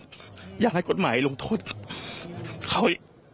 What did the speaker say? ปี๖๕วันเช่นเดียวกัน